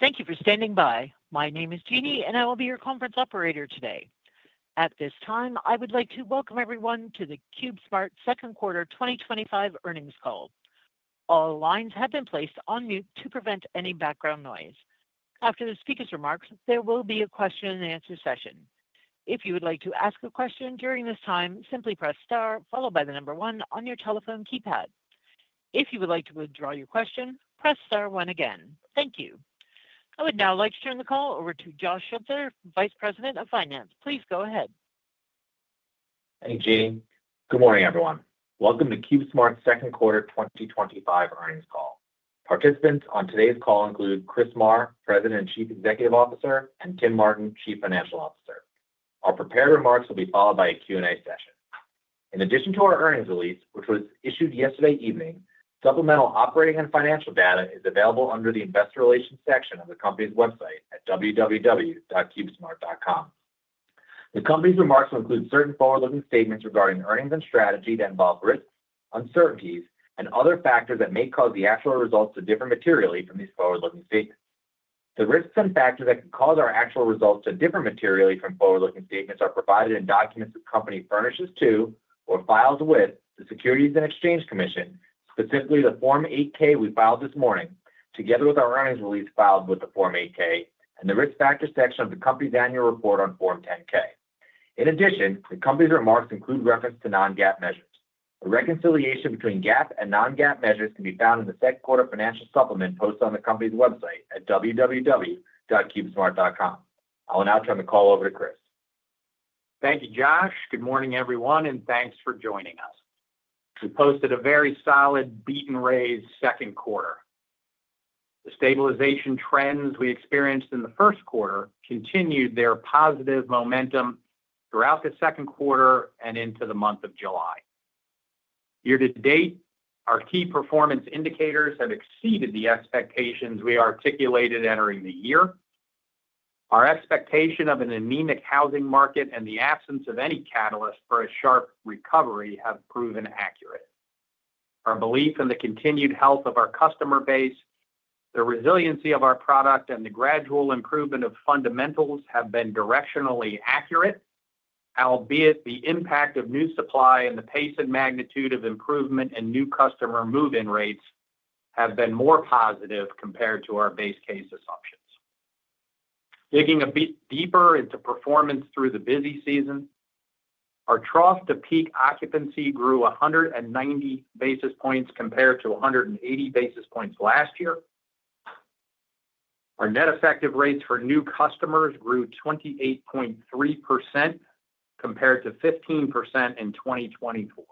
Thank you for standing by. My name is Jeannie and I will be your conference operator today. At this time I would like to welcome everyone to the CubeSmart Second Quarter 2025 earnings call. All lines have been placed on mute to prevent any background noise. After the speaker's remarks, there will be a question and answer session. If you would like to ask a question during this time, simply press star followed by the number one on your telephone keypad. If you would like to withdraw your question, press star one again. Thank you. I would now like to turn the call over to Josh Schutzer, Vice President of Finance. Please go ahead. Thank you, Jeannie. Good morning, everyone. Welcome to CubeSmart's Second Quarter 2025 earnings call. Participants on today's call include Chris Marr, President and Chief Executive Officer, and Tim Martin, Chief Financial Officer. Our prepared remarks will be followed by a Q and A session. In addition to our earnings release, which was issued yesterday evening, supplemental operating and Financial data is available under the Investor Relations section of the company's website at www.cubesmart.com. The company's remarks will include certain forward looking statements regarding earnings and strategy involve risks, uncertainties, and other factors that may cause the actual results to differ materially from these forward-looking statements. The risks and factors that could cause our actual results could differ materially from forward looking statements are provided in documents the Company furnishes to or files with the Securities and Exchange Commission, specifically the Form 8-K we filed this morning together with our earnings release filed with the Form 8-K and the Risk Factors section of the Company's annual report on Form 10-K. In addition, the Company's remarks include reference to non-GAAP measures. A reconciliation between GAAP and non-GAAP measures can be found in the second quarter financial supplement posted on the Company's website at www.cubesmart.com. I will now turn the call over to Chris. Thank you, Josh. Good morning everyone and thanks for joining us. We posted a very solid beat and raised second quarter. The stabilization trends we experienced in the first quarter continued their positive momentum throughout the second quarter and into the month of July. Year to date, our key performance indicators have exceeded the expectations we articulated entering the year. Our expectation of an anemic housing market and the absence of any catalyst for a sharp recovery have proven accurate. Our belief in the continued health of our customer base, the resiliency of our product, and the gradual improvement of fundamentals have been directionally accurate, albeit the impact of new supply and the pace and magnitude of improvement and new customer move-in rates have been more positive compared to our base case assumptions. Digging a bit deeper into performance through the busy season, our trough to peak occupancy grew 190 basis points compared to 180 basis points last year. Our net effective rates for new customers grew 28.3% compared to 15% in 2024.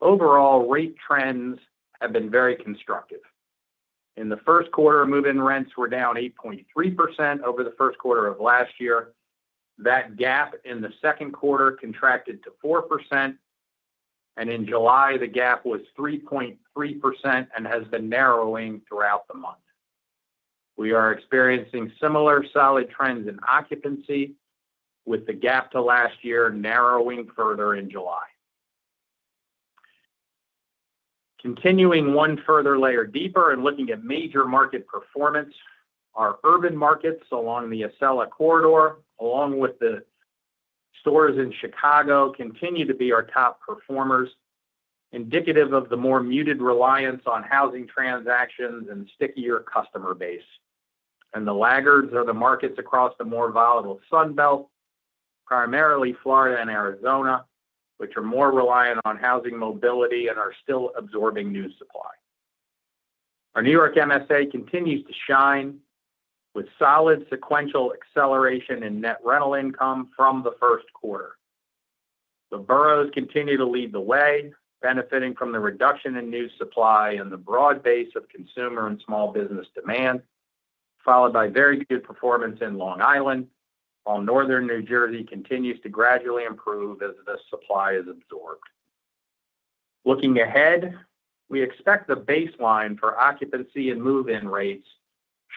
Overall rate trends have been very constructive. In the first quarter, move-in rents were down 8.3% over the first quarter of last year. That gap in the second quarter contracted to 4%, and in July the gap was 3.3% and has been narrowing throughout the month. We are experiencing similar solid trends in occupancy with the gap to last year narrowing further in July. Continuing one further layer deeper and looking at major market performance, our urban markets along the Acela corridor along with the stores in Chicago continue to be our top performers, indicative of the more muted reliance on housing transactions and stickier customer base. The laggards are the markets across the more volatile Sun Belt, primarily Florida and Arizona, which are more reliant on housing mobility and are still absorbing new supply. Our New York MSA continues to shine with solid sequential acceleration in net rental income from the first quarter. The boroughs continue to lead the way, benefiting from the reduction in new supply and the broad base of consumer and small business demand, followed by very good performance in Long Island, while Northern New Jersey continues to gradually improve as the supply is absorbed. Looking ahead, we expect the baseline for occupancy and move-in rates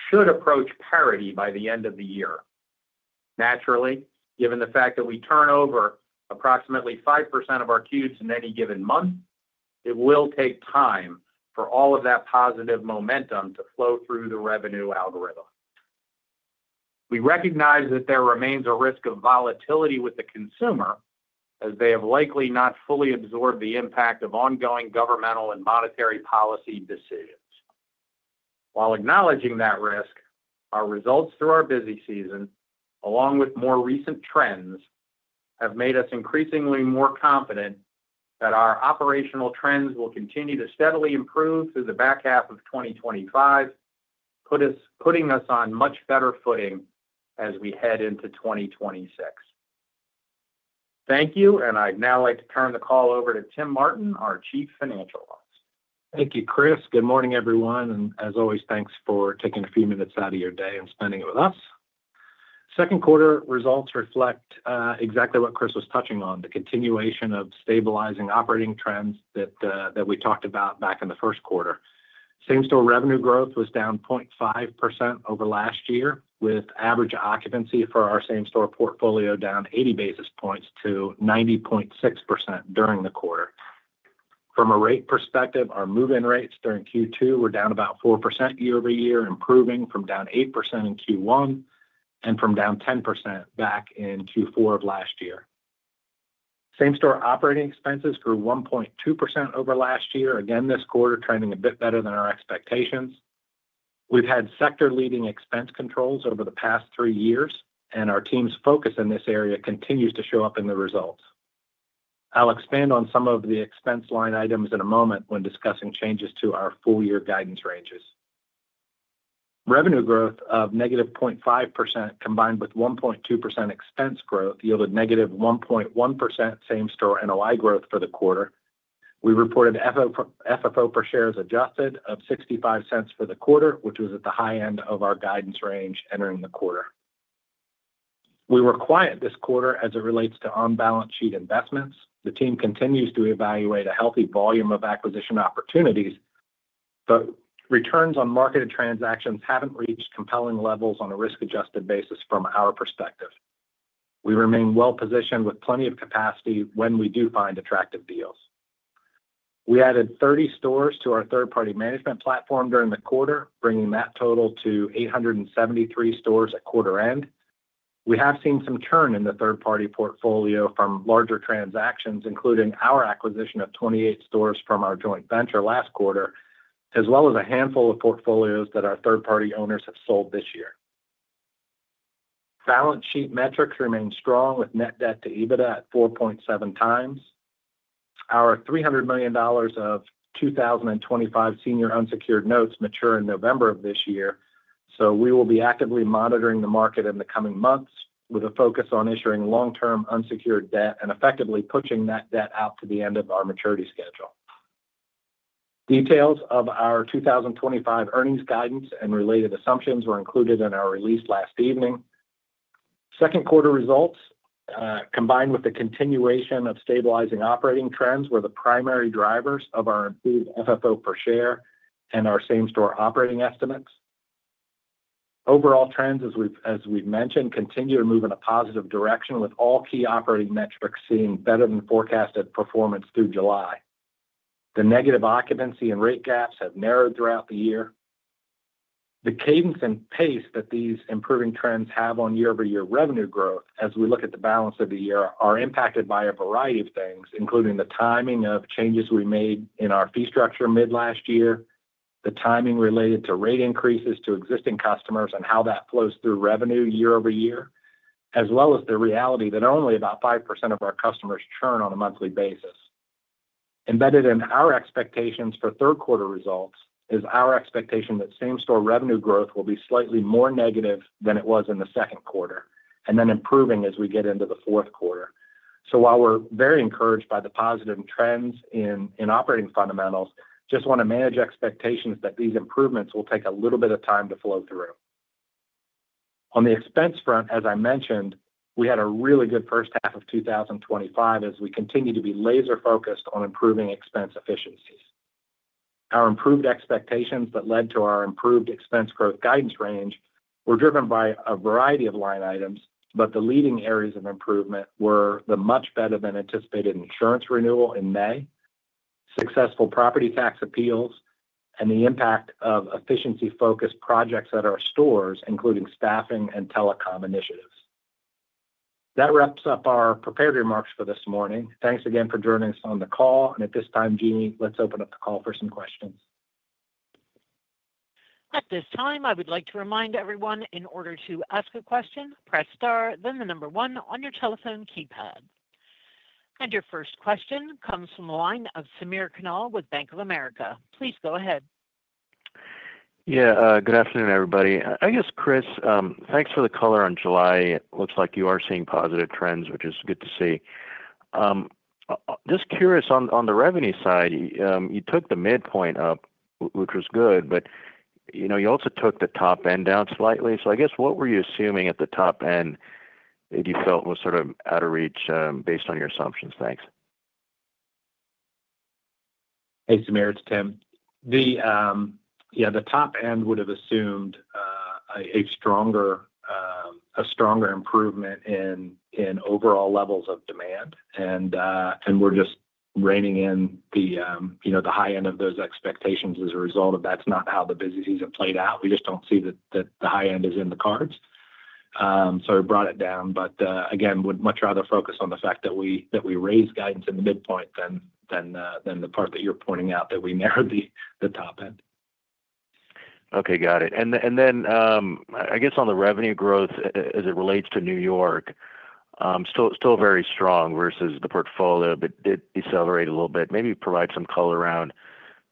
should approach parity by the end of the year. Naturally, given the fact that we turn over approximately 5% of our cubes in any given month, it will take time for all of that positive momentum to flow through the revenue algorithm. We recognize that there remains a risk of volatility with the consumer as they have likely not fully absorbed the impact of ongoing governmental and monetary policy decisions. While acknowledging that risk, our results through our busy season along with more recent trends have made us increasingly more confident that our operational trends will continue to steadily improve through the back half of 2025, putting us on much better footing as we head into 2026. Thank you and I'd now like to turn the call over to Tim Martin, our Chief Financial Officer. Thank you, Chris. Good morning, everyone, and as always, thanks for taking a few minutes out of your day and spending it with us. Second quarter results reflect exactly what Chris was touching on, the continuation of stabilizing operating trend that we talked about back in the first quarter. Same store revenue growth was down 0.5% over last year, with average occupancy for our same store portfolio down 80 basis points to 90.6% during the quarter. From a rate perspective, our move-in rates during Q2 were down about 4% year-over-year, improving from down 8% in Q1 and from down 10% back in Q4 of last year. Same store operating expenses grew 1.2% over last year again this quarter, trending a bit better than our expectations. We've had sector-leading expense controls over the past three years, and our team's focus in this area continues to show up in the results. I'll expand on some of the expense line items in a moment when discussing changes to our full year guidance ranges. Revenue growth of negative 0.5% combined with 1.2% expense growth yielded minus 1.1% same store NOI growth for the quarter. We reported adjusted FFO per share of $0.65 for the quarter, which was at the high end of our guidance range entering the quarter. We were quiet this quarter as it relates to on balance sheet investments. The team continues to evaluate a healthy volume of acquisition opportunities, but returns on marketed transactions haven't reached compelling levels on a risk-adjusted basis. From our perspective, we remain well positioned with plenty of capacity when we do find attractive deals. We added 30 stores to our third-party management platform during the quarter, bringing that total to 873 stores at quarter end. We have seen some churn in the third-party portfolio from larger transactions, including our acquisition of 28 stores from our joint venture last quarter, as well as a handful of portfolios that our third-party owners have sold this year. Balance sheet metrics remain strong, with net debt to EBITDA at 4.7 times. Our $300 million of 2025 senior unsecured notes mature in November of this year, so we will be actively monitoring the market in the coming months with a focus on issuing long-term unsecured debt and effectively pushing that debt out to the end of our maturity schedule. Details of our 2025 earnings guidance and related assumptions were included in our release last evening. Second quarter results combined with the continuation of stabilizing operating trends were the primary drivers of our improved FFO per share and our same store operating estimates. Overall trends, as we've mentioned, continue to move in a positive direction with all key operating metrics seeing better than forecasted performance through July. The negative occupancy and rate gaps have narrowed throughout the year. The cadence and pace that these improving trends have on year over year revenue growth as we look at the balance of the year are impacted by a variety of things, including the timing of changes we made in our fee structure mid last year, the timing related to rate increases to existing customers and how that flows through revenue year over year, as well as the reality that only about 5% of our customers churn on a monthly basis. Embedded in our expectations for third quarter results is our expectation that same store revenue growth will be slightly more negative than it was in the second quarter and then improving as we get into the fourth quarter. We are very encouraged by the positive trends in operating fundamentals and just want to manage expectations that these improvements will take a little bit of time to flow through. On the expense front, as I mentioned, we had a really good first half of 2025 as we continue to be laser focused on improving expense efficiencies. Our improved expectations that led to our improved expense growth guidance range were driven by a variety of line items. The leading areas of improvement were the much better than anticipated insurance renewal in May, successful property tax appeals, and the impact of efficiency focused projects at our stores, including staffing and telecom initiatives. That wraps up our prepared remarks for this morning. Thanks again for joining us on the call and at this time, Jeannie, let's open up the call for some questions. At this time I would like to remind everyone, in order to ask a question, press star, then the number one on your telephone keypad. Your first question comes from the line of Samir Khanal with Bank of America. Please go ahead. Yeah, good afternoon everybody. Chris, thanks for the color on July. Looks like you are seeing positive trends, which is good to see. Just curious, on the revenue side you took the midpoint up, which was good. You also took the top end is down slightly. What were you assuming at the top end that you felt was sort of out of reach based on your assumptions? Thanks. Hey Samir, it's Tim. The top end would have assumed a stronger improvement in overall levels of demand, and we're just reining in the high end of those expectations as a result of that's not how the businesses have played out. We just don't see that the high end is in the cards. We brought it down. Again, would much rather focus on the fact that we raised guidance in the midpoint than the part that you're pointing out that we narrowed the top end. Okay, got it. I guess on the revenue growth as it relates to New York, still very strong versus the portfolio, but did decelerate a little bit. Maybe provide some color around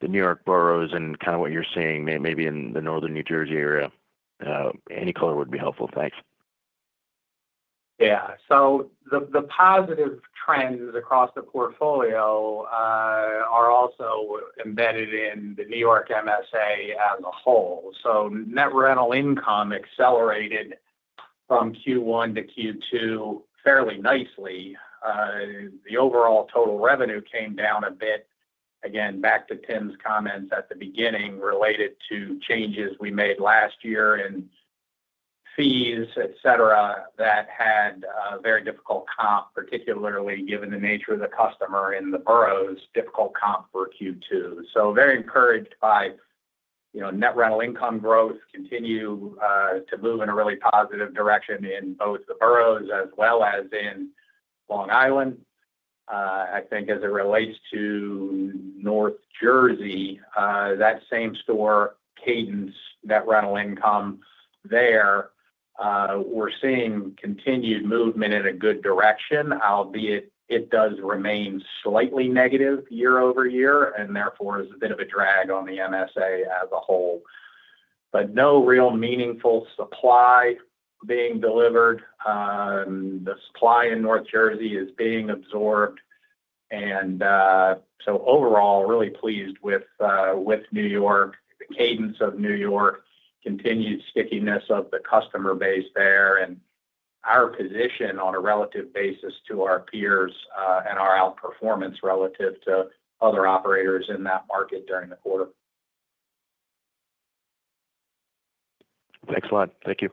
the New York boroughs. What you're seeing maybe. In the Northern New Jersey area, any color would be helpful. Thanks. Yeah. The positive trends across the portfolio are also embedded in the New York MSA as a whole. Net rental income accelerated from Q1 to Q2 fairly nicely. The overall total revenue came down a bit, again, back to Tim's comments at the beginning related to changes we made last year in fees, etc. That had very difficult comp, particularly given the nature of the customer in the boroughs, difficult comp for Q2. Very encouraged by net rental income growth continuing to move in a really positive direction in both the boroughs as well as in Long Island. I think as it relates to Northern New Jersey, that same store cadence, net rental income there, we're seeing continued movement in a good direction, albeit it does remain slightly negative year over year and therefore is a bit of a drag on the MSA as a whole. No real meaningful supply being delivered. The supply in Northern New Jersey is being absorbed. Overall, really pleased with New York, the cadence of New York, continued stickiness of the customer base there and our position on a relative basis to our peers and our outperformance relative to other operators in that market during the quarter. Thanks a lot. Thank you.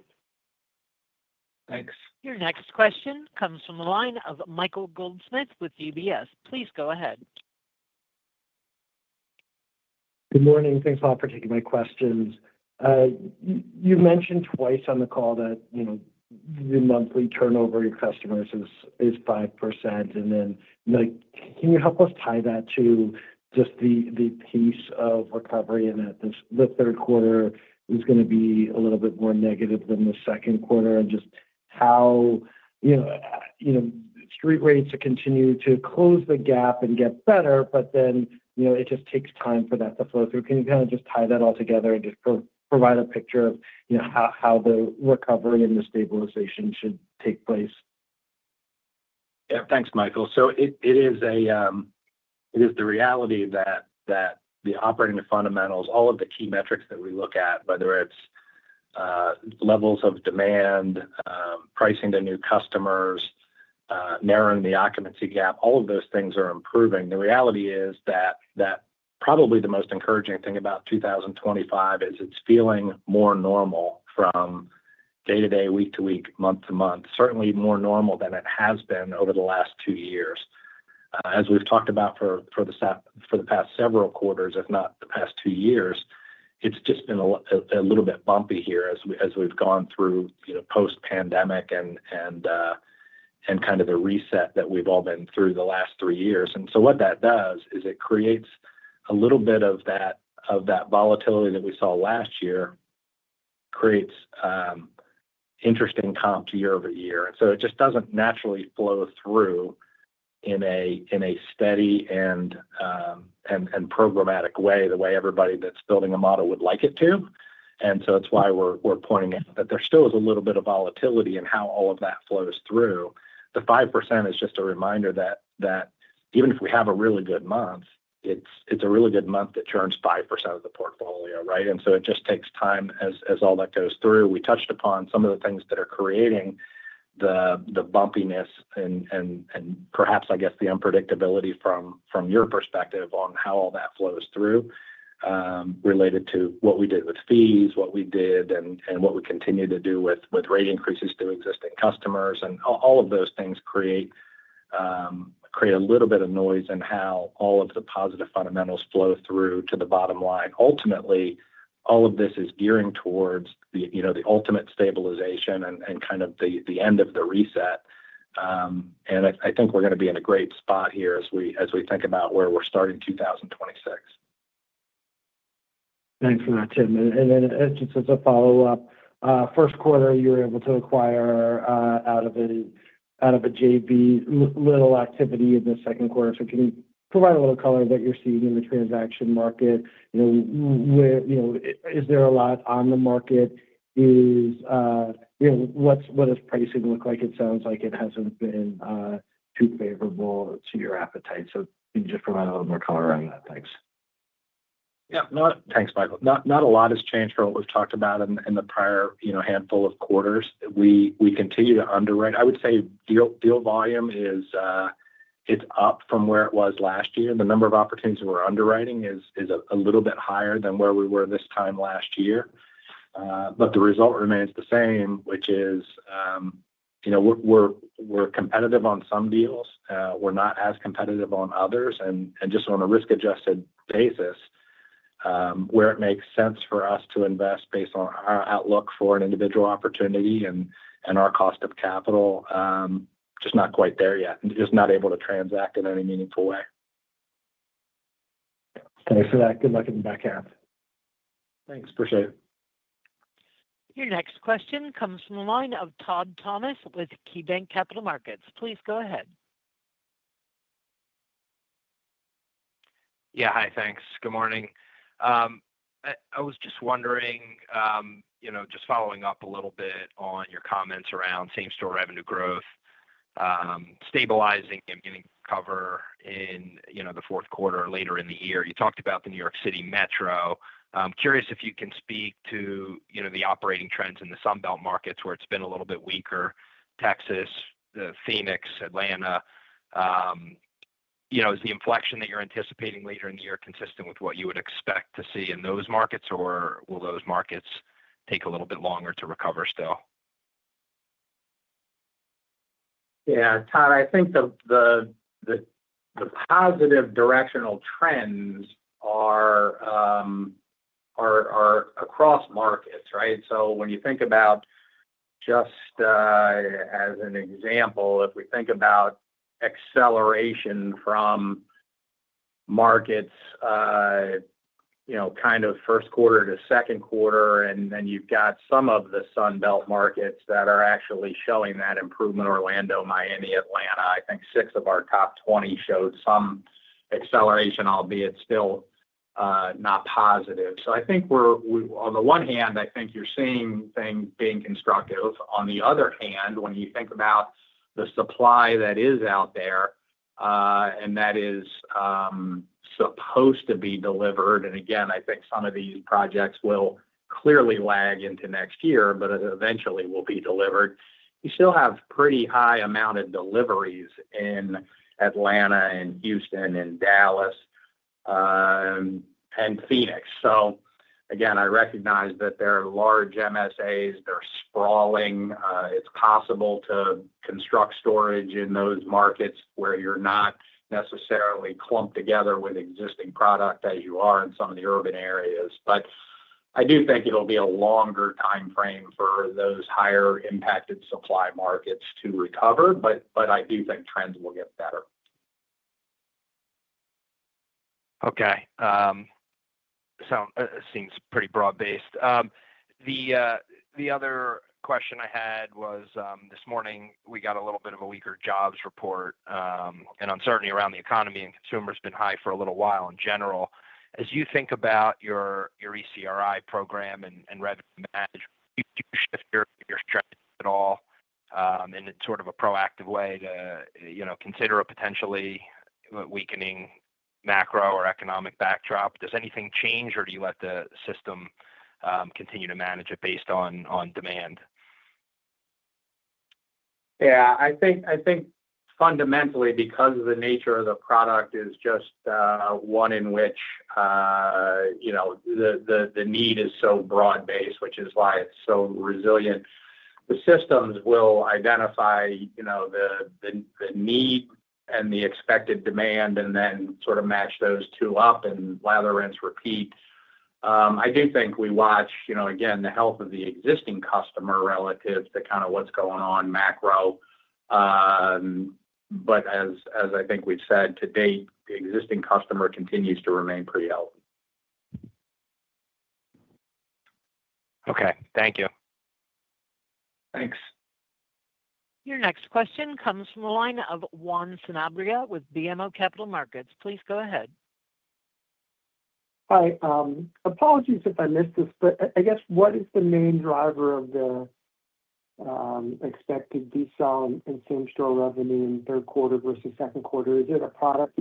Thanks. Your next question comes from the line of Michael Goldsmith with UBS. Please go ahead. Good morning. Thanks a lot for taking my questions. You mentioned twice on the call that, you know, the monthly turnover, your customers is 5%. Can you help us tie that to the pace of recovery in it? The third quarter is going to be a little bit more negative than the second quarter, and just how, you know, street rates continue to close the gap and get better. It just takes time for. That to flow through. Can you kind of just tie that all together and provide a picture of how the recovery and the stabilization should take place? Yeah. Thanks, Michael. It is the reality that the operating fundamentals, all of the key metrics that we look at, whether it's levels of demand, pricing to new customers, narrowing the occupancy gap, all of those things are improving. The reality is that probably the most encouraging thing about 2025 is it's feeling more normal from day to day, week to week, month to month, certainly more normal than it has been over the last two years, as we've talked about for the past several quarters, if not the past two years. It's just been a little bit bumpy here as we've gone through post pandemic and kind of the reset that we've all been through the last three years. What that does is it creates a little bit of that volatility that we saw last year, creates interesting comps year over year. It just doesn't naturally flow through in a steady and programmatic way the way everybody that's building a model would like it to. That's why we're pointing out that there still is a little bit of volatility and how all of that flows through. The 5% is just a reminder that even if we have a really good month, it's a really good month that churns 5% of the portfolio. Right. It just takes time as all that goes through. We touched upon some of the things that are creating the bumpiness and perhaps the unpredictability from your perspective on how all that flows through related to what we did with fees, what we did and what we continue to do with rate increases to existing customers. All of those things create a little bit of noise in how all of the positive fundamentals flow through to the bottom line. Ultimately, all of this is gearing towards the ultimate stabilization and kind of the end of the reset. I think we're going to be in a great spot here as we think about where we're starting 2026. Thanks for that, Tim. Just as a follow-up, first quarter, you were able to acquire out of any, out of a joint venture, little activity in the second quarter. Can you provide a little color that you're seeing in the transaction market? You know, where, you know, is there a lot on the market? What does pricing look like? It sounds like it hasn't been too favorable to your appetite. Please provide a little more color on that. Thanks. Yeah, thanks Michael. Not a lot has changed from what we've talked about in the prior handful of quarters. We continue to underwrite. I would say deal volume is up from where it was last year. The number of opportunities we're underwriting is a little bit higher than where we were this time last year. The result remains the same, which. Is. We're competitive on some deals, we're not as competitive on others, and just on a risk-adjusted basis where it makes sense for us to invest based on our outlook for an individual opportunity and our cost of capital, just not quite there yet. Just not able to transact in any meaningful way. Thanks for that. Good luck in the back half. Thanks for that. Your next question comes from the line of Todd Thomas with KeyBanc Capital Markets. Please go ahead. Yeah, hi. Thanks. Good morning. I was just wondering, you know, just following up a little bit on your comments around same store revenue growth stabilizing and getting cover in the fourth quarter later in the year. You talked about the New York City metro. I'm curious if you can speak to the operating trends in the Sun Belt markets where it's been a little bit weaker. Texas, Phoenix, Atlanta. Is the inflection that you're anticipating later in the year consistent with what you would expect to see in those markets, or will those markets take a little bit longer to recover still? Yeah, Todd, I think the positive directional trends are. Across markets. Right. When you think about, just as an example, if we think about acceleration from markets, you know, kind of first quarter to second quarter, and then you've got some of the Sun Belt markets that are actually showing improvement, Orlando, Miami, Atlanta, I think six of our top 20 showed some acceleration, albeit still not positive. I think you're seeing things being constructive. On the other hand, when you think about the supply that is out there and that is supposed to be delivered, I think some of these projects will clearly lag into next year, but eventually will be delivered. You still have a pretty high amount of deliveries in Atlanta and Houston and Dallas and Phoenix. I recognize that there are large MSAs, they're sprawling. It's possible to construct storage in those markets where you're not necessarily clumped together with existing product as you are in some of the urban areas. I do think it'll be a longer time frame for those higher impacted supply markets to recover. I do think trends will get better. Okay. Seems pretty broad based. The other question I had was this morning we got a little bit of a weaker jobs report, and uncertainty around the economy and consumer has been high. For a little while. In general, as you think about your ECRI program and revenue management, do you. Shift your strategy at all? It is sort of a proactive way to, you know, consider a potentially weakening macro or economic backdrop. Does anything change or do you let the system continue to manage it based on demand? Yeah, I think fundamentally because the nature of the product is just one in which, you know, the need is so broad based, which is why it's so resilient. The systems will identify, you know, the need and the expected demand and sort of match those two up and lather, rinse, repeat. I do think we watch, you know, again the health of the existing customer relative to kind of what's going on macro. As I think we've said to date, the existing customer continues to remain pretty healthy. Okay, thank you. Thanks. Your next question comes from the line of Juan Sanabria with BMO Capital Markets. Please go ahead. Hi, apologies if I missed this, but I guess what is the main driver of the expected decel and same store revenue in third quarter versus second quarter? Is it a product?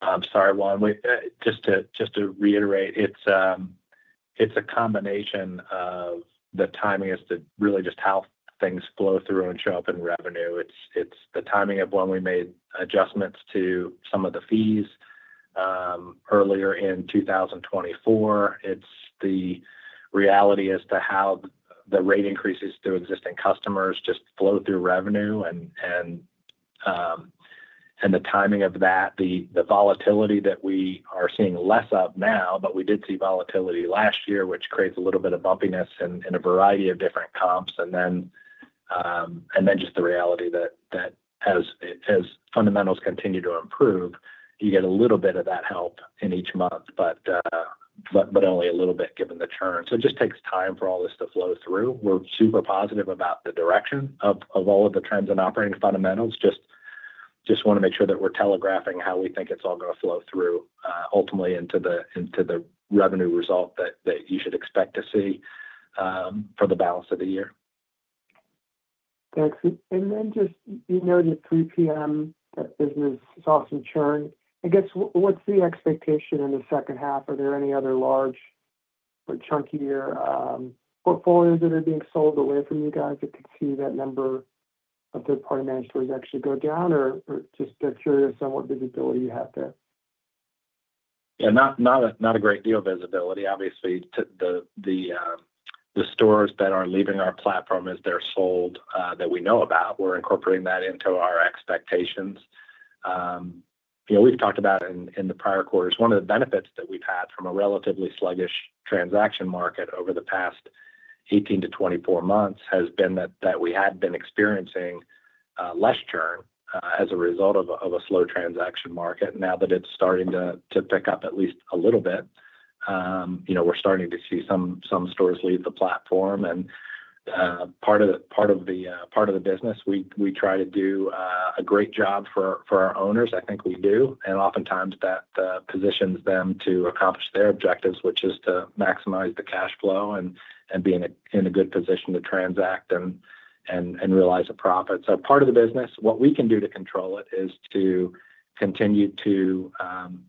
I'm sorry Juan, just to reiterate, it's a combination of the timing as to really just how things flow through and show up in revenue. It's the timing of when we made adjustments to some of the fees earlier in 2024. It's the reality as to how the rate increases through existing customers just flow through revenue and the timing of that. The volatility that we are seeing less of now, but we did see volatility last year, which creates a little bit of bumpiness in a variety of different comps, and then just the reality that as fundamentals continue to improve, you get a little bit of that help in each month, but only a little bit given the churn. It just takes time for all this to flow through. We're super positive about the direction of all of the trends and operating fundamentals. Just want to make sure that we're telegraphing how we think it's all going to flow through ultimately into the revenue result that you should expect to see for the balance of the year. Thanks. Just, you know, that third-party management platform, that business, sauce and churn, I guess. What's the expectation in the second half? Are there any other large or chunkier portfolios that are being sold away from you guys that could see that number of third-party managers actually go down? Just curious on what visibility you have there. Yeah, not a great deal of visibility. Obviously. The stores that are leaving our platform as they're sold that we know about, we're incorporating that into our expectations. We've talked about in the prior quarters, one of the benefits that we've had from a relatively sluggish transaction market over the past 18-24 months has been that we had been experiencing less churn as a result of a slow transaction market. Now that it's starting to pick up at least a little bit, we're starting to see some stores leave the platform and part of the business. We try to do a great job for our owners, I think we do. Oftentimes that positions them to accomplish their objectives, which is to maximize the cash flow and be in a good position to transact and realize a profit. Part of the business, what we can do to control it is to continue to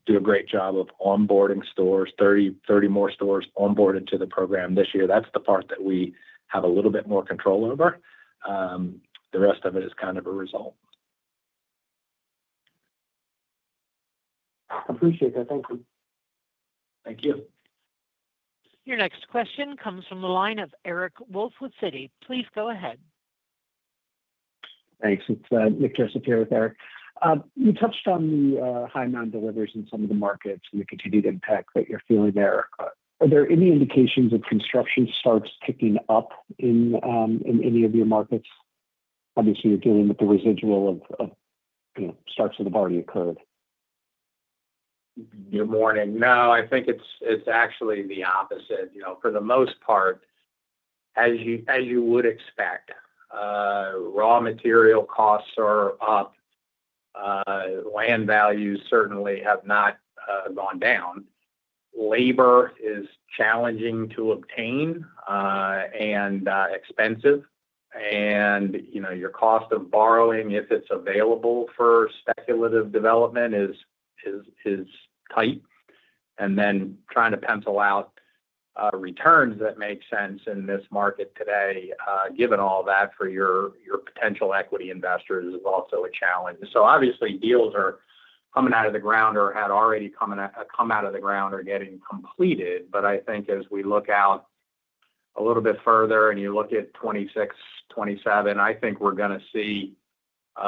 do a great job of onboarding stores. 30 more stores onboarded to the program this year. That's the part that we have a little bit more control over. The rest of it is kind of a result. Appreciate that. Thank you. Thank you. Your next question comes from the line of Eric Wolfe with Citi. Please go ahead. Thanks. It's Nick Joseph here with Eric. You touched on the high mountain deliveries in some of the markets and the. Continued impact that you're feeling there. Are there any indications that construction starts picking up in any of your markets? Obviously, you're dealing with the residual of starts that have already occurred. Good morning. No, I think it's actually the opposite. For the most part, as you would expect, raw material costs are up. Land values certainly have not gone down. Labor is challenging to obtain and expensive. You know, your cost of borrowing, if it's available for speculative development, is tight. Trying to pencil out returns that make sense in this market today, given all that for your potential equity investors, is also a challenge. Obviously, deals are coming out of the ground or had already come out of the ground or are getting completed. I think as we look out a little bit further and you look at 2026, 2027, I think we're going to see a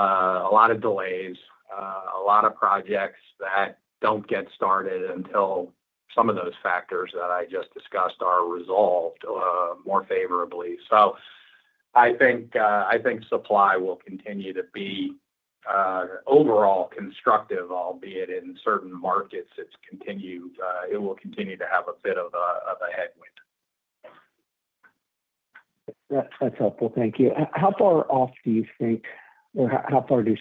lot of delays, a lot of projects that don't get started until some of those factors that I just discussed are resolved more favorably. I think supply will continue to be overall constructive, albeit in certain markets. It will continue to have a bit of a headwind. That's helpful, thank you. How far off do you think or how far do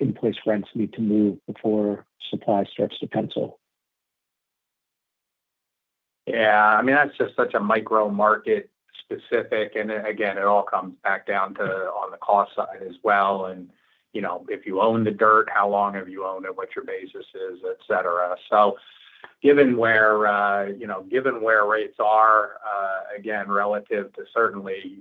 in place rents need to move before supply starts to pencil? Yeah, I mean that's just such a micro market specific. It all comes back down to on the cost side as well. If you own the dirt, how long have you owned it, what your basis is, et cetera. Given where rates are again relative to certainly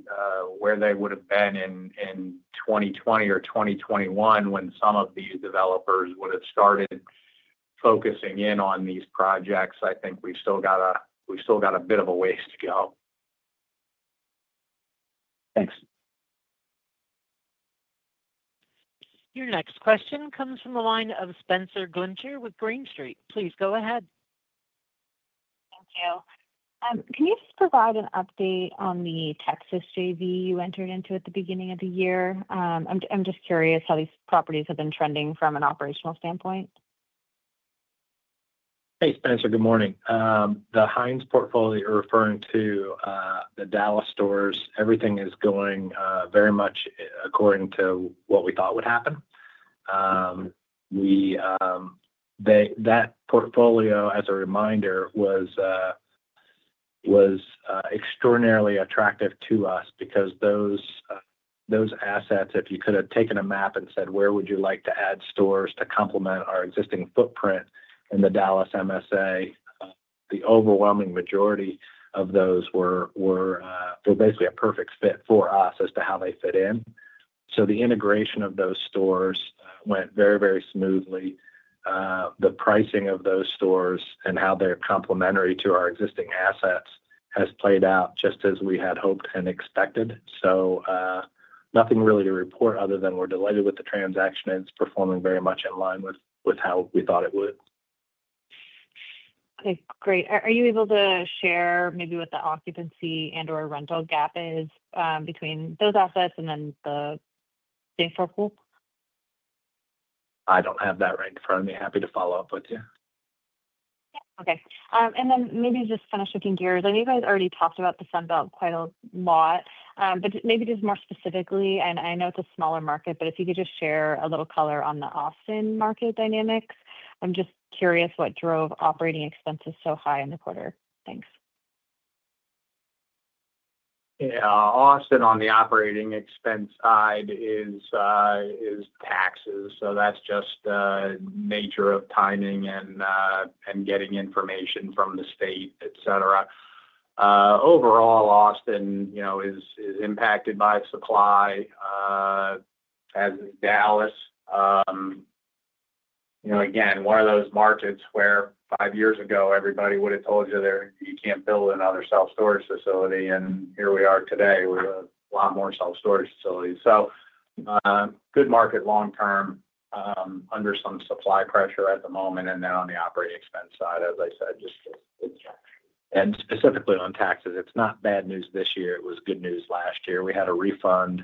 where they would have been in 2020 or 2021 when some of these developers would have started focusing in on these projects. I think we've still got a bit of a ways to go. Thanks. Your next question comes from the line of Spenser Glimcher with Green Street, please go ahead. Thank you. Can you just provide an update on the Texas joint venture you entered into at the beginning of the year? I'm just curious how these properties have been trending from an operational standpoint. Hey, Spenser. Good morning. The Heinz portfolio, you're referring to the Dallas stores. Everything is going very much according to what we thought would happen. We. That portfolio, as a reminder, was extraordinarily attractive to us because those assets, if you could have taken a map and said, where would you like to add stores to complement our existing footprint in the Dallas MSA, the overwhelming majority of those were basically a perfect fit for us as to how they fit in. The integration of those stores went very, very smoothly. The pricing of those stores and how they're complementary to our existing assets has played out just as we had hoped and expected. Nothing really to report other than we're delighted with the transaction. It's performing very much in line with how we thought it would. Okay, great. Are you able to share maybe what the occupancy and or rental gap is between those assets and then the pool? I don't have that right in front of me. Happy to follow up with you. Okay. Maybe just finish looking gears. I know you guys already talked about the Sun Belt quite a lot, but maybe just more specifically, and I know it's a smaller market, if you could just share a little color on the Austin market dynamics. I'm just curious what drove operating expenses so high in the quarter. Thanks. Yeah, Austin on the operating expense side is taxes. That's just nature of timing and getting information from the state, etc. Overall, Austin is impacted by supply as Dallas, again, one of those markets where five years ago. Everybody would have told you there. Can't build another self-storage facility. Here we are today with a lot more self-storage facilities. Good market long term, under some supply pressure at the moment. On the operating expense side, as I said just. Specifically on taxes, it's not bad news this year. It was good news last year. We had a refund.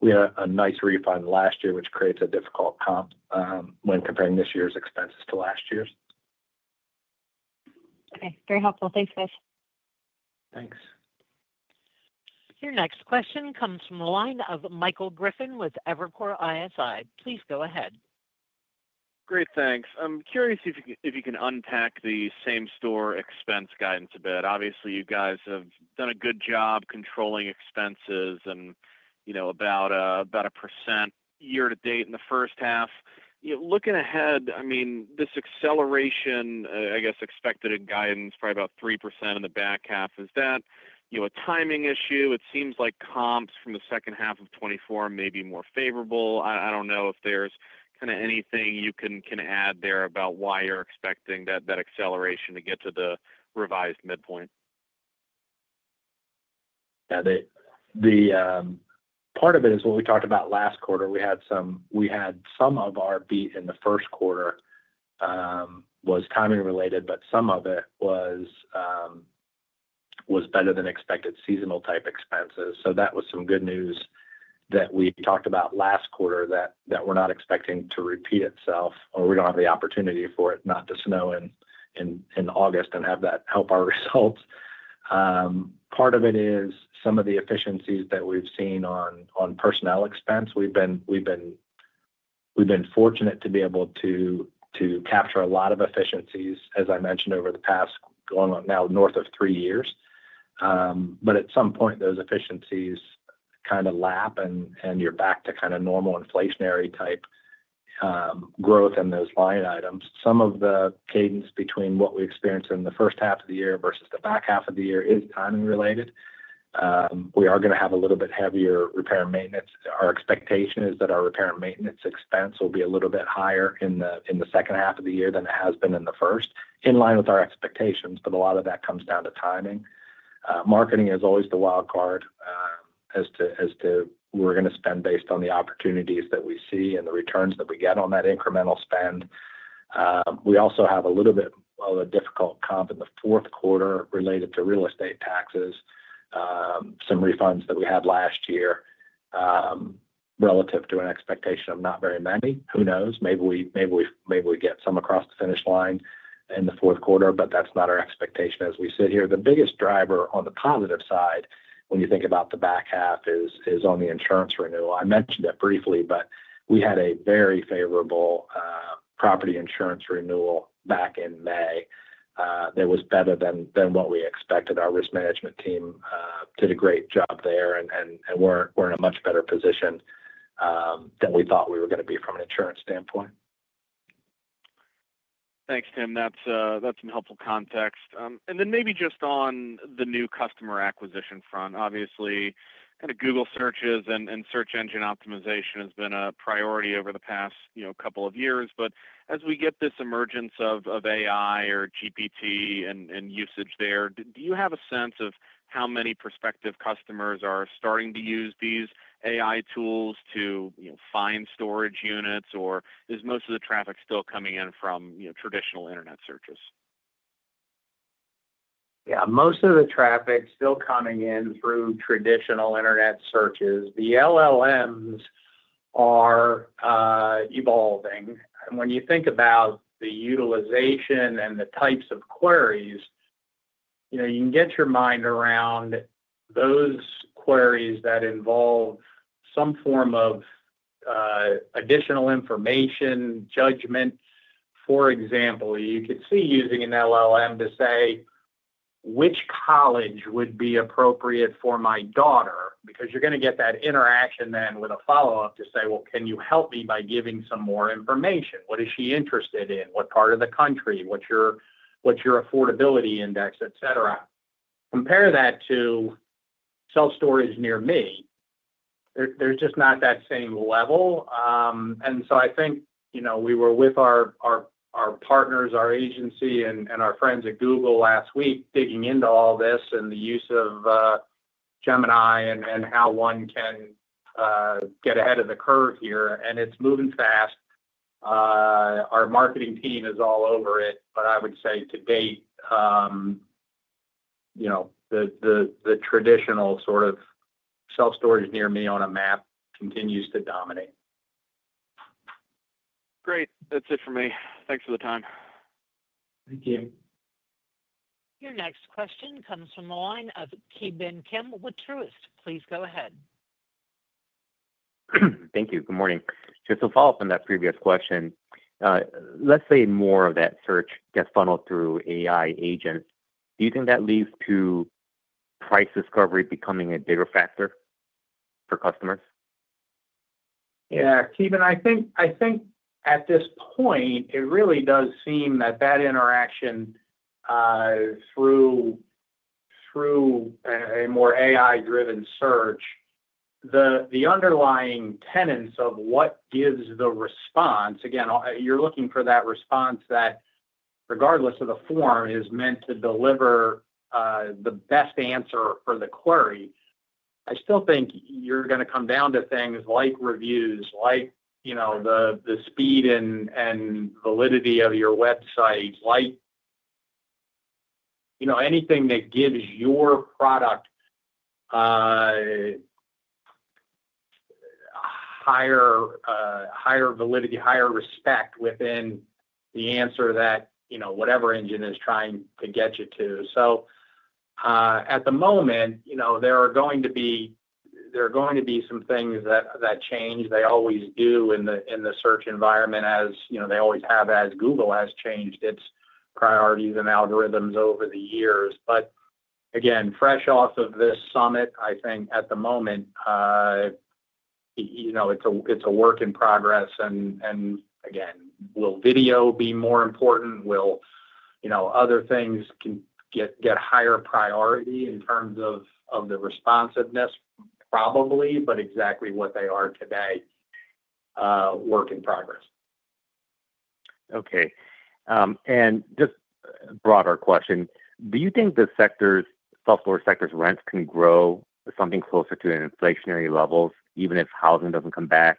We had a nice refund last year, which creates a difficult comp when comparing this year's expenses to last year's. Okay, very helpful. Thanks, guys. Thanks. Your next question comes from the line of Michael Griffin with Evercore ISI. Please go ahead. Great, thanks. I'm curious if you can unpack the same store expense guidance a bit. Obviously you guys have done a good job controlling expenses and you know, about 1% year to date in the first half. Looking ahead, I mean this acceleration I guess expected a guidance probably about 3% in the back half. Is that a timing issue? It seems like comps from 2H2024 may be more favorable. I don't know if there's kind of anything you can add there about why you're expecting that acceleration to get to the revised midpoint. Part of it is what we talked about last quarter. We had some of our beat in the first quarter that was timing related, but some of it was better than expected seasonal type expenses. That was some good news that we talked about last quarter that we're not expecting to repeat itself or we don't have the opportunity for it not to snow in August and have that help our results. Part of it is some of the efficiencies that we've seen on personnel expense. We've been fortunate to be able to capture a lot of efficiencies, as I mentioned, over the past going on now north of three years. At some point those efficiencies kind of lap and you're back to kind of normal inflationary type of growth in those line items. Some of the cadence between what we experience in the first half of the year versus the back half of the year is timing related. We are going to have a little bit heavier repair and maintenance. Our expectation is that our repair and maintenance expense will be a little bit higher in the second half of the year than it has been in the first, in line with our expectations. A lot of that comes down to timing. Marketing is always the wild card as to we're going to spend based on the opportunities that we see and the returns that we get on that incremental spend. We also have a little bit of a difficult comp in the fourth quarter related to real estate taxes, some refunds that we had last year relative to an expectation of not very many. Who knows, maybe we get some across the finish line in the fourth quarter, but that's not our expectation as we sit here. The biggest driver on the positive side when you think about the back half is on the insurance renewal. I mentioned it briefly, but we had a very favorable property insurance renewal back in May that was better than what we expected. Our risk management team did a great job there and we're in a much better position than we thought we were going to be from an insurance standpoint. Thanks Tim. That's some helpful context. Maybe just on the new customer acquisition front, obviously kind of Google searches and search engine optimization has been a priority over the past couple of years. As we get this emergence of AI or GPT and usage there, do you have a sense of how many prospective customers are starting to use these AI tools to find storage units, or is most of the traffic still coming in from traditional Internet searches? Yeah, most of the traffic still coming in through traditional Internet searches. The LLMs are evolving, and when you think about the utilization and the types of queries, you know, you can get your mind around those queries that involve some form of additional information judgment. For example, you could see using an LLM to say which college would be appropriate for my daughter? Because you're going to get that interaction then with a follow up to say, can you help me by giving some more information? What is she interested in, what part of the country, what's your affordability index, et cetera. Compare that to self storage near me. There's just not that same level. I think, you know, we were with our partners, our agency, and our friends at Google last week digging into all this and the use of Gemini and how one can get ahead of the curve here, and it's moving fast. Our marketing team is all over it. I would say to date. You. The traditional sort of self-storage near me on a map continues to dominate. Great. That's it for me. Thanks for the time. Thank you. Your next question comes from the line of Ki Bin Kim with Truist Securities. Please go ahead. Thank you. Good morning. Just to follow up on that previous question, let's say more of that search gets funneled through AI agents. Do you think that leads to price discovery becoming a bigger factor for customers? Yeah, Kevin, I think at this point it really does seem that interaction. Through. A more AI-driven search, the underlying tenets of what gives the response, again you're looking for that response that regardless of the form is meant to deliver the best answer for the query. I still think you're going to come down to things like reviews, like the speed and validity of your website, like anything that gives your product higher validity, higher respect within the answer that whatever engine is trying to get you to. At the moment, there are going to be some things that change. They always do in the search environment as you know, they always have as Google has changed its priorities and algorithms over the years. Fresh off of this summit, I think at the moment it's a work in progress. Will video be more important, will other things get higher priority in terms of the responsiveness? Probably, but exactly what they are today. Work in progress. Okay. Just a broader question. Do you think the sector's rents can grow something closer to inflationary levels, even if housing doesn't come back?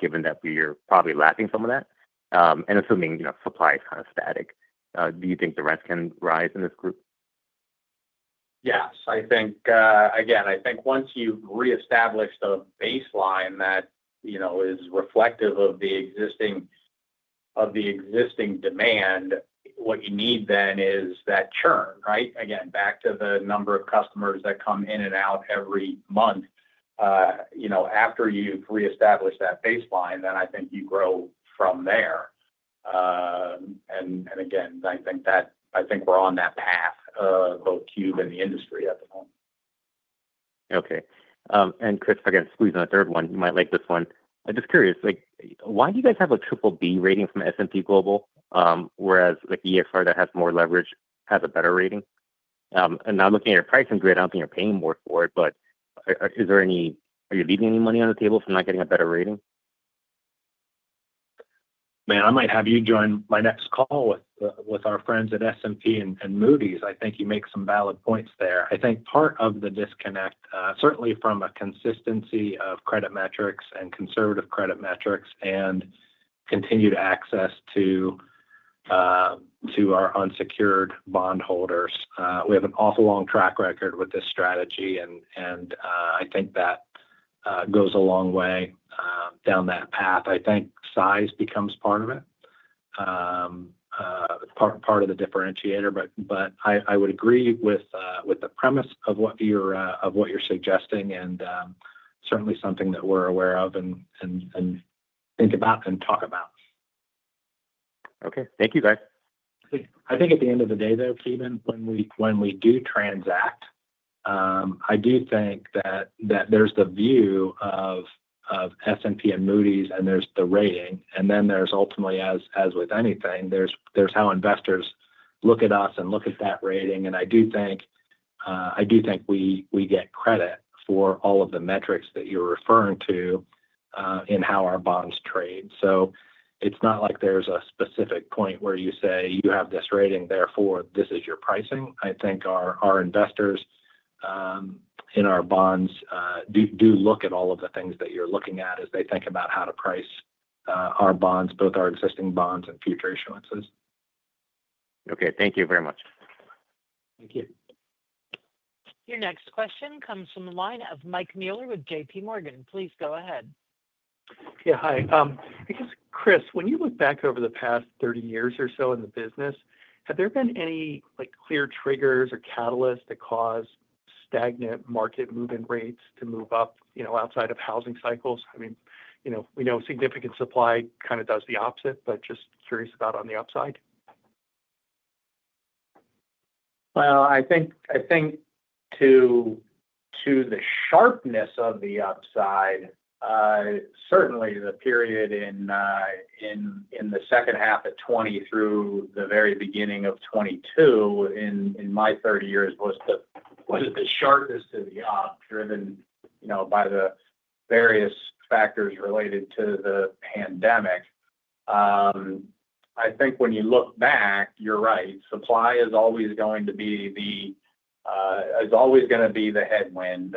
Given that we are probably lapping some of that and assuming, you know, supply is kind of static, do you think the rents can rise in this group? Yes, I think once you reestablish the baseline that you know is reflective of the existing demand, what you need then is that churn right back to the number of customers that come in and out every month. After you've reestablished that baseline, I think you grow from there. I think we're on that path, both CubeSmart and the industry at the moment. Okay. Chris, if I can squeeze on a third one, you might like this one. I'm just curious, why do you guys have a triple B rating from S&P Global, whereas EXR, that has more leverage, has a better rating? Now looking at your pricing grade, I don't think you're paying more for it, but is there any, are you leaving any money on the table for not getting a better rating? Man, I might have you join my next call with our friends at S&P and Moody's. I think you make some valid points there. I think part of the disconnect, certainly from a consistency of credit metrics and conservative credit metrics and continued access to our unsecured bondholders, we have an awful long track record with this strategy, and I think that goes a long way down that path. I think size becomes part of it, part of the differentiator. I would agree with the premise of what you're suggesting and certainly something that we're aware of and think about and talk about. Okay, thank you, guys. I think at the end of the day, Ki Bin, when we do transact, I do think that there's the view of S&P and Moody's, and there's the rating, and then there's ultimately, as with anything, how investors look at us and look at that rating. I do think we get credit for all of the metrics that you're referring to in how our bonds trade. It's not like there's a specific point where you say you have this rating, therefore, this is your pricing. I think our investors in our bonds do look at all of the things that you're looking at as they think about how to price our bonds, both our existing bonds and future issuances. Okay, thank you very much. Thank you. Your next question comes from the line of Mike Mueller with JPMorgan. Please go ahead. Yeah, hi. I guess, Chris, when you look back over the past 30 years or so. In the business, have there been any clear triggers or catalysts that cause stagnant market movement rates to move up? You know, outside of housing cycles? I mean, we know significant. Supply kind of does the opposite. I think to the sharpness of the upside, certainly the period in 2H2020 through the very beginning of 2022 in my 30 years was the sharpness of the up driven by the various factors related to the pandemic. I think when you look back, you're right. Supply is always going to be the headwind,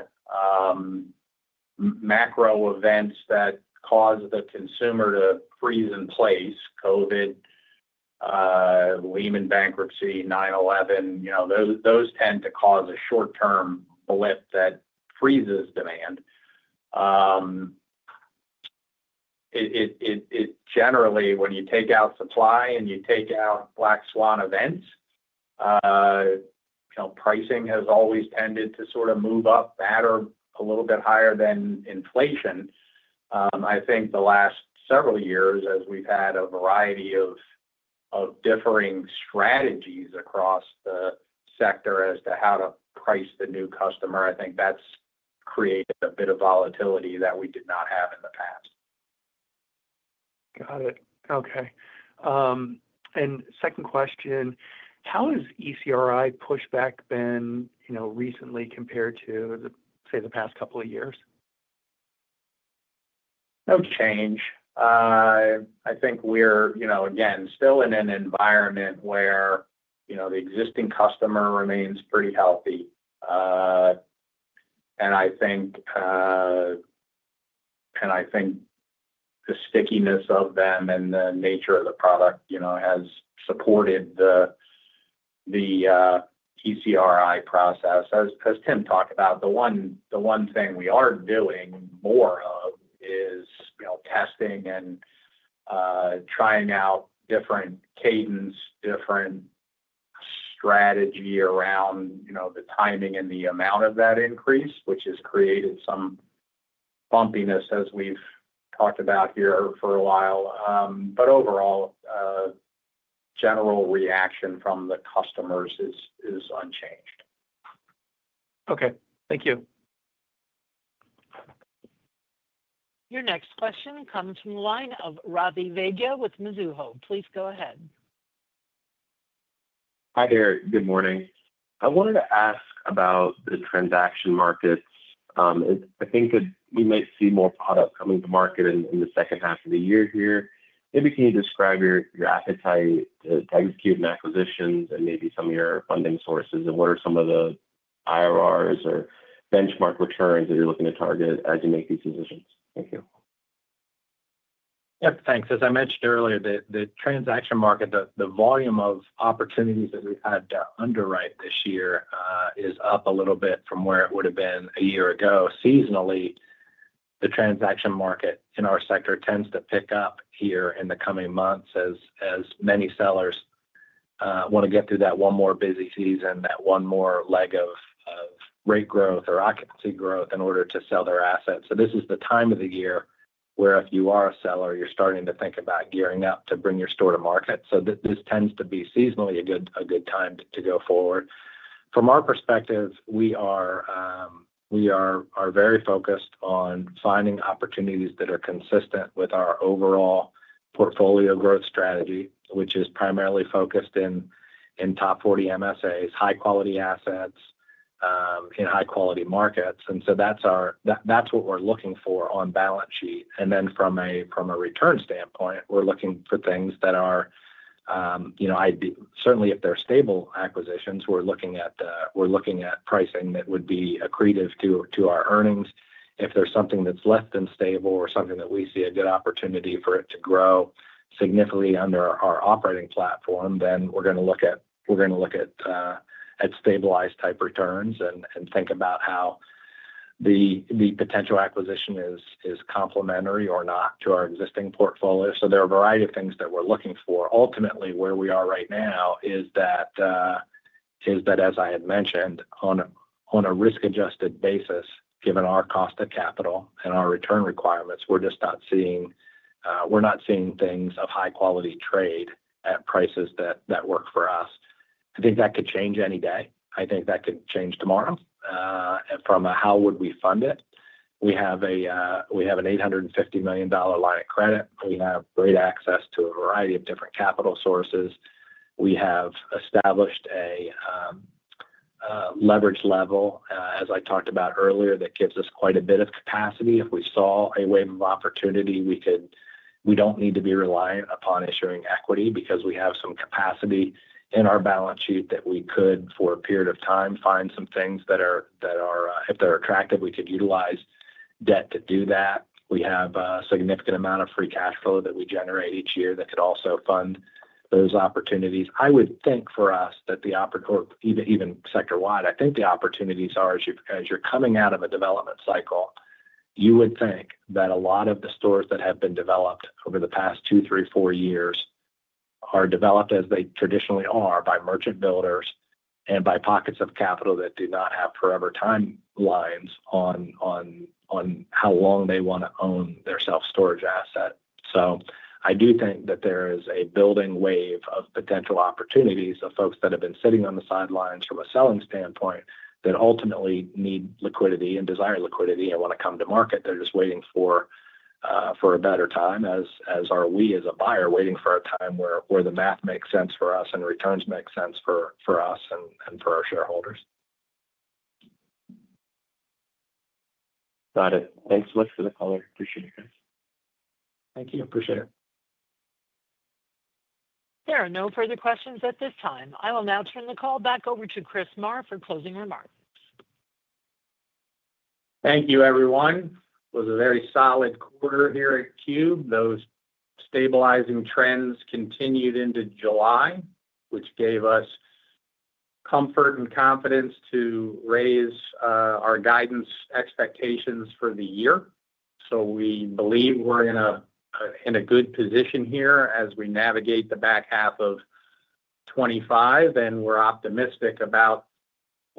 macro events that cause the consumer to freeze in place. Covid. Lehman bankruptcy, 9/11. You know, those tend to cause a short-term blip that freezes demand. It. Generally, when you take out supply and you take out black swan events, pricing has always tended to sort of move up better, a little bit higher than inflation. I think the last several years, as we've had a variety of differing strategies across the sector as to how to price the new customer, I think that's created a bit of volatility that we. Did not have in the past. Got it. Okay. Second question. How has ECRI pushback been? Recently compared to, say, the past couple of years? No change. I think we're still in an environment where the existing customer remains pretty healthy. I think. I think the. Stickiness of them and the nature of the product has supported the PCRI process. As Tim talked about, the one thing we are doing more of is testing and trying out different cadence, different strategy around the timing and the amount of that increase, which has created some bumpiness as we've talked about here for a while. Overall, general reaction from the customers is unchanged. Okay, thank you. Your next question comes from the line of Ravi Vaidya with Mizuho. Please go ahead. Hi there. Good morning. I wanted to ask about the transaction markets. I think that we might see more product coming to market in the second half of the year here. Maybe can you describe your appetite to execute acquisitions and maybe some of your funding sources, and what are some of the IRRs or benchmark returns that you're looking to target as you make these decisions. Thank you. Yep, thanks. As I mentioned earlier, the transaction market, the volume of opportunities that we've had to underwrite this year is up a little bit from where it would have been a year ago. Seasonally, the transaction market in our sector tends to pick up here in the coming months as many sellers want to get through that one more busy season, that one more leg of rate growth or occupancy growth in order to sell their assets. This is the time of the year where if you are a seller, you're starting to think about gearing up to bring your store to market. This tends to be seasonally a good time to go forward. From our perspective, we are very focused on finding opportunities that are consistent with our overall portfolio growth strategy, which is primarily focused in top 40 MSAs, high quality assets in high quality markets. That's what we're looking for on balance sheet. From a return standpoint, we're looking for things that are certainly, if they're stable acquisitions, we're looking at pricing that would be accretive to our earnings. If there's something that's less than stable or something that we see a good opportunity for it to grow significantly under our operating platform, then we're going to look at stabilized type returns and think about how the potential acquisition is complementary or not to our existing portfolio. There are a variety of things that we're looking for. Ultimately where we are right now is that as I had mentioned, on a risk adjusted basis, given our cost of capital and our return requirements, we're just not seeing, we're not seeing things of high quality trade at prices that work for us. I think that could change any day. I think that could change tomorrow. From how would we fund it, we have an $850 million line of credit. We have great access to a variety of different capital sources. We have established a leverage level, as I talked about earlier, that gives us quite a bit of capacity. If we saw a wave of opportunity, we could, we don't need to be reliant upon issuing equity because we have some capacity in our balance sheet that we could for a period of time find some things that are, if they're attractive, we could utilize debt to do that. We have a significant amount of free cash flow that we generate each year that could also fund those opportunities. I would think for us that the opportunity, even sector wide, I think the opportunities are as you're coming out of a development cycle. You would think that a lot of the stores that have been developed over the past two, three, four years are developed as they traditionally are by merchant builders and by pockets of capital that do not have forever timelines on how long they want to own their self-storage asset. I do think that there is a building wave of potential opportunities of folks that have been sitting on the sidelines from a selling standpoint that ultimately need liquidity and desire liquidity and want to come to market. They're just waiting for a better time, as we are as a buyer waiting for a time where the math makes sense for us and returns make sense for us and for our shareholders. Got it. Thanks so much for the call. Appreciate it, Chris. Thank you. Appreciate it. There are no further questions at this time. I will now turn the call back over to Chris Marr for closing remarks. Thank you everyone. It was a very solid quarter here at CubeSmart. Those stabilizing trends continued into July, which gave us comfort and confidence to raise our guidance expectations for the year. We believe we're in a good position here as we navigate the back half of 2025 and we're optimistic about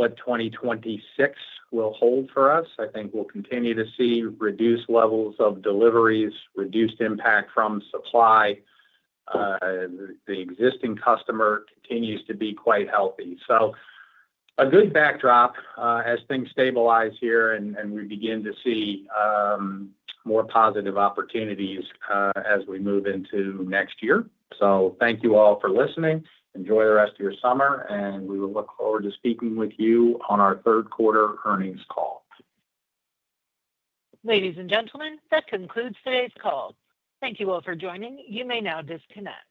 what 2026 will hold for us. I think we'll continue to see reduced levels of deliveries, reduced impact from supply. The existing customer continues to be quite healthy. A good backdrop as things stabilize here and we begin to see more positive opportunities as we move into next year. Thank you all for listening. Enjoy the rest of your summer and we will look forward to speaking with you on our third quarter earnings call. Ladies and gentlemen, that concludes today's call. Thank you all for joining. You may now disconnect.